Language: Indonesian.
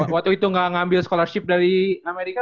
waktu itu gak ngambil scholarship dari amerika